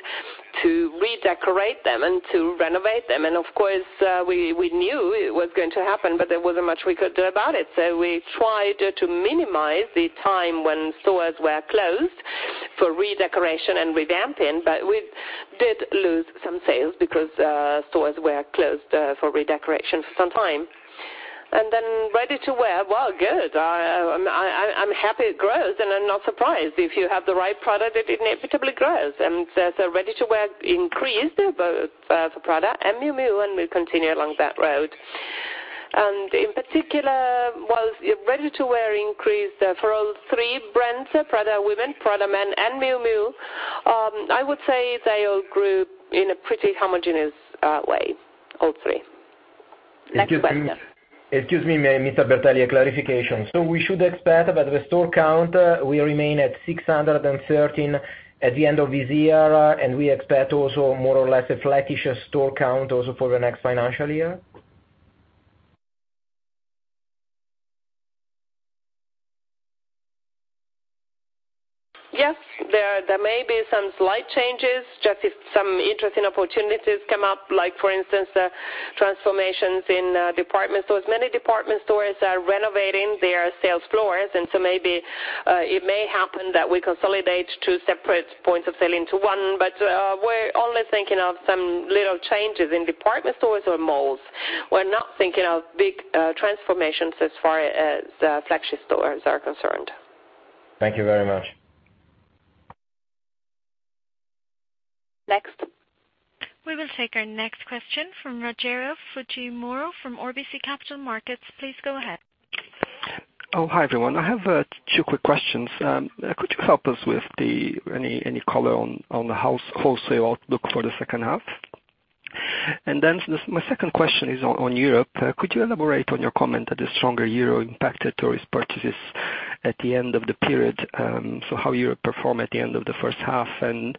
to redecorate them and to renovate them. Of course, we knew it was going to happen, but there wasn't much we could do about it. We tried to minimize the time when stores were closed for redecoration and revamping, but we did lose some sales because stores were closed for redecoration for some time. Then ready-to-wear, well, good. I'm happy it grows, and I'm not surprised. If you have the right product, it inevitably grows. Ready-to-wear increased both for Prada and Miu Miu, and we'll continue along that road. In particular, while ready-to-wear increased for all three brands, Prada Women, Prada Men, and Miu Miu, I would say they all grew in a pretty homogeneous way, all three. Next question. Excuse me, Mr. Bertelli, a clarification. We should expect that the store count will remain at 613 at the end of this year, and we expect also more or less a flattish store count also for the next financial year? Yes. There may be some slight changes, just if some interesting opportunities come up, like for instance, the transformations in department stores. Many department stores are renovating their sales floors, maybe it may happen that we consolidate two separate points of sale into one. We're only thinking of some little changes in department stores or malls. We're not thinking of big transformations as far as the flagship stores are concerned. Thank you very much. Next. We will take our next question from Rogerio Fujimori from RBC Capital Markets. Please go ahead. Hi, everyone. I have two quick questions. Could you help us with any color on the wholesale outlook for the second half? My second question is on Europe. Could you elaborate on your comment that the stronger euro impacted tourist purchases at the end of the period, so how Europe performed at the end of the first half and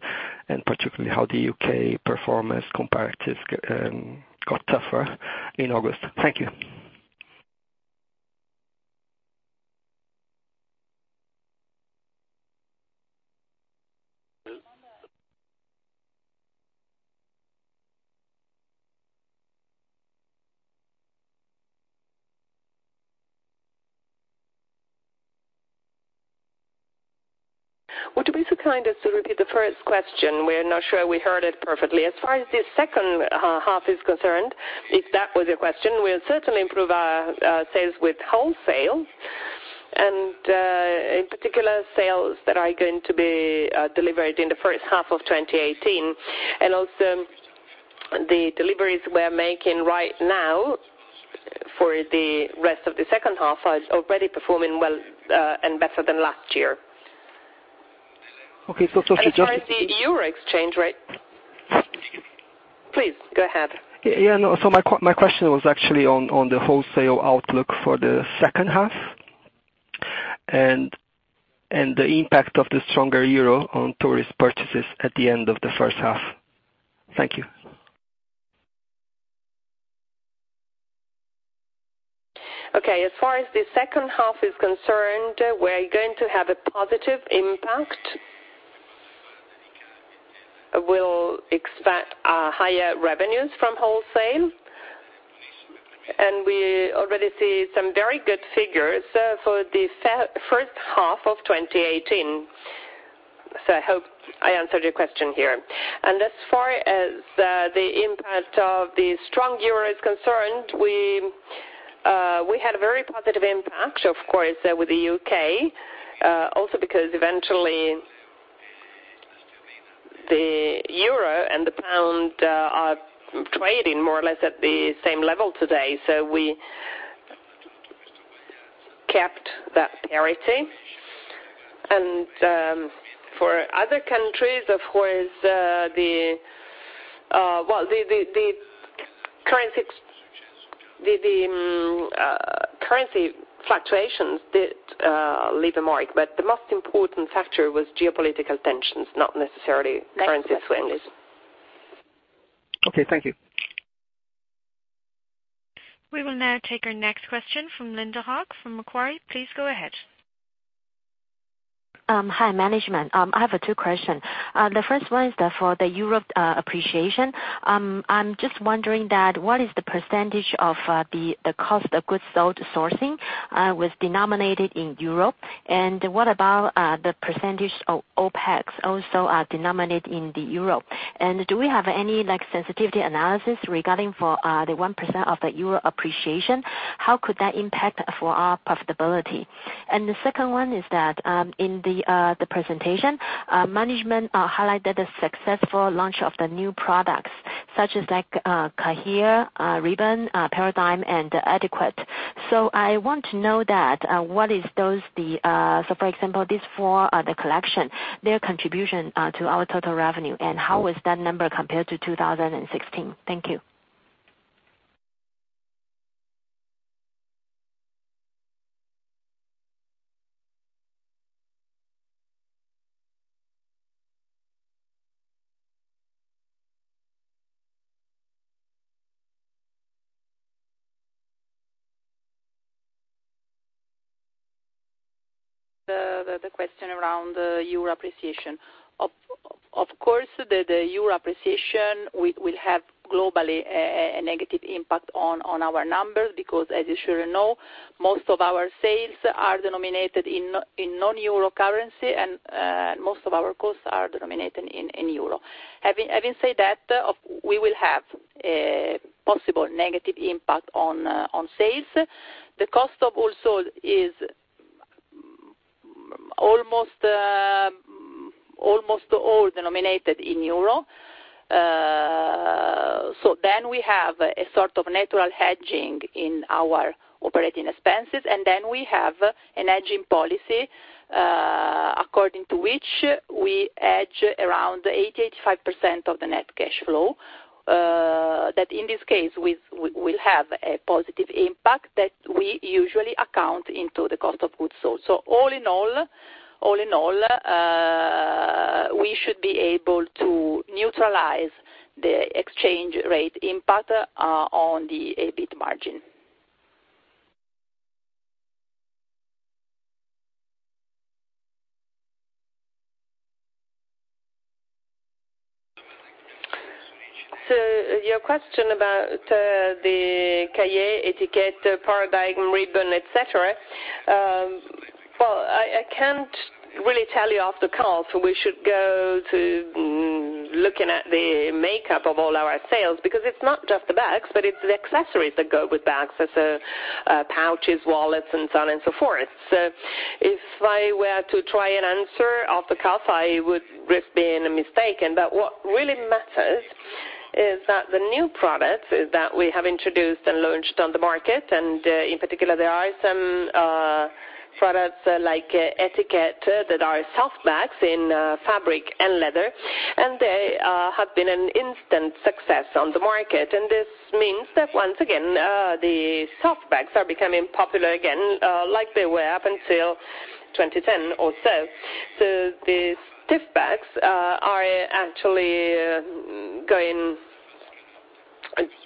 particularly how the U.K. performance comparative got tougher in August? Thank you. Would you be so kind as to repeat the first question? We're not sure we heard it perfectly. As far as the second half is concerned, if that was your question, we'll certainly improve our sales with wholesale, and, in particular, sales that are going to be delivered in the first half of 2018. The deliveries we're making right now for the rest of the second half are already performing well, and better than last year. Okay. As far as the EUR exchange rate. Please, go ahead. My question was actually on the wholesale outlook for the second half and the impact of the stronger EUR on tourist purchases at the end of the first half. Thank you. Okay, as far as the second half is concerned, we're going to have a positive impact. We'll expect higher revenues from wholesale. We already see some very good figures for the first half of 2018. I hope I answered your question here. As far as the impact of the strong EUR is concerned, we had a very positive impact, of course, with the U.K., also because eventually the EUR and the GBP are trading more or less at the same level today, we kept that parity. For other countries, of course, the currency fluctuations did leave a mark, but the most important factor was geopolitical tensions, not necessarily currency swings. Okay, thank you. We will now take our next question from Linda Hu from Macquarie. Please go ahead. Hi, management. I have two questions. The first one is that for the euro appreciation, I'm just wondering what is the percentage of the cost of goods sold sourcing, was denominated in euro, and what about the percentage of OpEx also are denominated in the euro? Do we have any sensitivity analysis regarding for the 1% of the euro appreciation? How could that impact for our profitability? The second one is that, in the presentation, management highlighted the successful launch of the new products, such as Cahier, Ribbon, Paradigme, and Etiquette. I want to know that, So for example, these four are the collection, their contribution to our total revenue, and how is that number compared to 2016? Thank you. The question around the euro appreciation. Of course, the euro appreciation will have globally a negative impact on our numbers because, as you surely know, most of our sales are denominated in non-euro currency, and most of our costs are denominated in euro. Having said that, we will have a possible negative impact on sales. The cost of goods sold is almost all denominated in euro. We have a sort of natural hedging in our operating expenses, and then we have a hedging policy, according to which we hedge around 80%, 85% of the net cash flow. That in this case, we will have a positive impact that we usually account into the cost of goods sold. All in all, we should be able to neutralize the exchange rate impact on the EBIT margin. To your question about the Cahier, Etiquette, Paradigme, Ribbon, et cetera. Well, I can't really tell you off the cuff. We should go to looking at the makeup of all our sales, because it's not just the bags, but it's the accessories that go with bags. Pouches, wallets, and so on and so forth. If I were to try and answer off the cuff, I would risk being mistaken. What really matters is that the new products that we have introduced and launched on the market, and in particular, there are some products like Etiquette that are soft bags in fabric and leather, and they have been an instant success on the market. This means that once again, the soft bags are becoming popular again, like they were up until 2010 or so. The stiff bags are actually going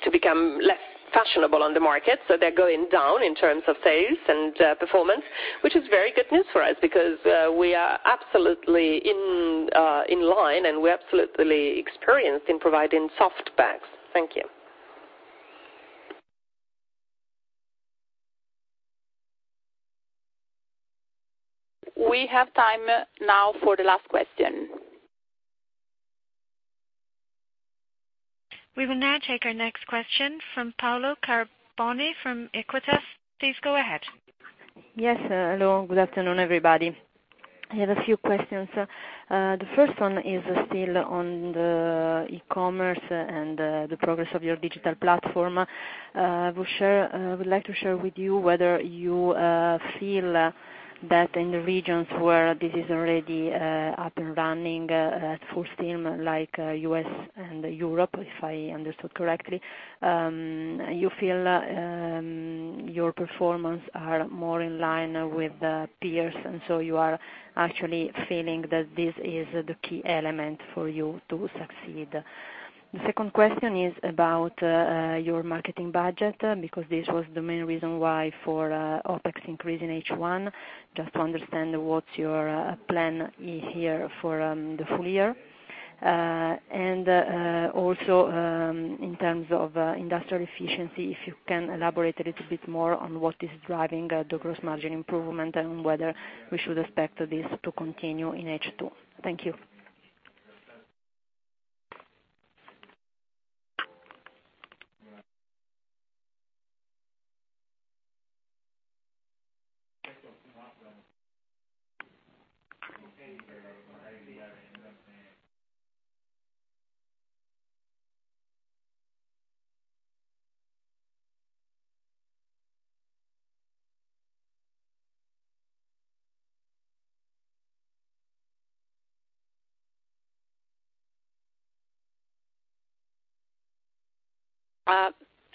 to become less fashionable on the market. They're going down in terms of sales and performance, which is very good news for us because, we are absolutely in line and we are absolutely experienced in providing soft bags. Thank you. We have time now for the last question. We will now take our next question from Paolo Carbone from Equita. Please go ahead. Yes. Hello. Good afternoon, everybody. I have a few questions. The first one is still on the e-commerce and the progress of your digital platform. I would like to share with you whether you feel that in the regions where this is already up and running at full steam, like U.S. and Europe, if I understood correctly, you feel your performance are more in line with peers, you are actually feeling that this is the key element for you to succeed. The second question is about your marketing budget, because this was the main reason why for OpEx increase in H1, just to understand what your plan here for the full year. Also, in terms of industrial efficiency, if you can elaborate a little bit more on what is driving the gross margin improvement and whether we should expect this to continue in H2. Thank you.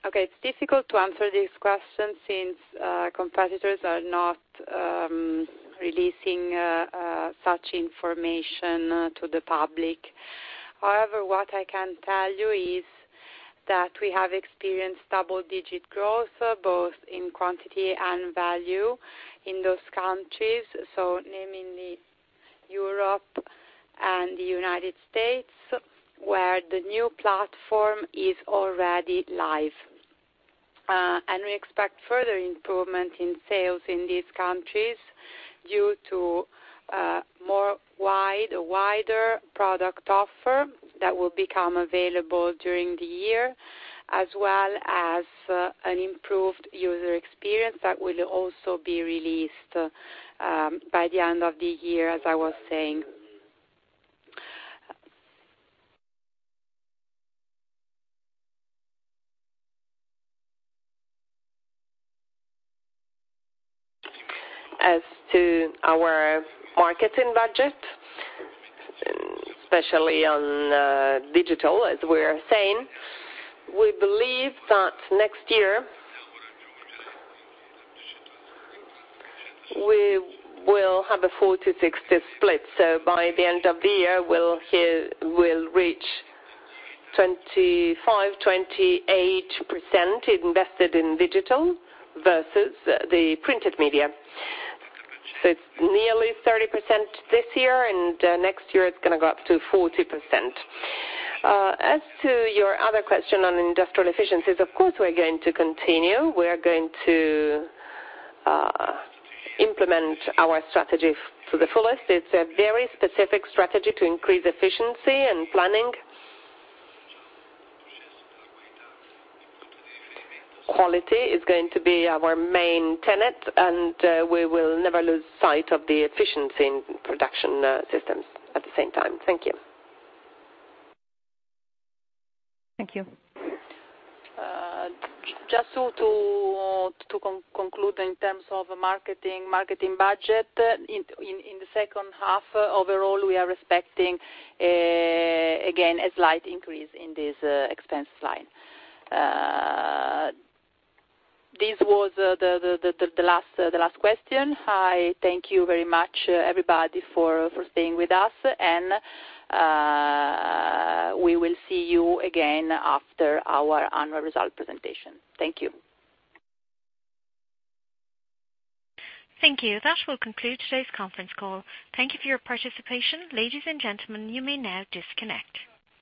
Okay. It's difficult to answer this question since competitors are not releasing such information to the public. However, what I can tell you is that we have experienced double-digit growth, both in quantity and value in those countries. Namely Europe and the United States, where the new platform is already live. We expect further improvement in sales in these countries due to a wider product offer that will become available during the year, as well as an improved user experience that will also be released by the end of the year, as I was saying. As to our marketing budget, especially on digital, as we are saying, we believe that next year we will have a 40/60 split. By the end of the year, we'll reach 25%-28% invested in digital versus the printed media. It's nearly 30% this year, and next year it's going to go up to 40%. As to your other question on industrial efficiencies, of course, we're going to continue. We're going to implement our strategy to the fullest. It's a very specific strategy to increase efficiency and planning. Quality is going to be our main tenet, and we will never lose sight of the efficiency in production systems at the same time. Thank you. Thank you. Just to conclude in terms of marketing budget. In the second half, overall, we are expecting, again, a slight increase in this expense line. This was the last question. I thank you very much, everybody, for staying with us, and we will see you again after our annual result presentation. Thank you. Thank you. That will conclude today's conference call. Thank you for your participation. Ladies and gentlemen, you may now disconnect.